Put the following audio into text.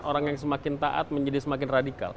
orang yang semakin taat menjadi semakin radikal